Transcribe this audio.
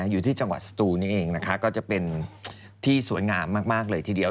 อยู่ที่จังหวัดสตูนนี่เองนะคะก็จะเป็นที่สวยงามมากเลยทีเดียว